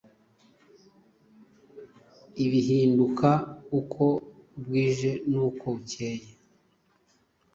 bihinduka uko bwije n’uko bukeye”.